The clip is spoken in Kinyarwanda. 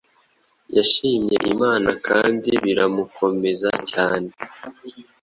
yashimye Imana kandi biramukomeza cyane.”